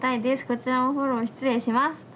こちらもフォロー失礼します」。